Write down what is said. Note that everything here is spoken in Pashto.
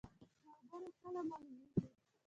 ملګری کله معلومیږي؟